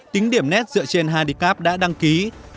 tính điểm nét dựa trên handicap đã đăng ký